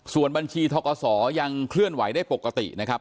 ส่วนบัญชีทกศยังเคลื่อนไหวได้ปกตินะครับ